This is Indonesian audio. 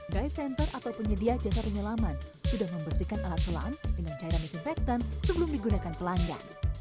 drive center atau penyedia jasa penyelaman sudah membersihkan alat selam dengan cairan disinfektan sebelum digunakan pelanggan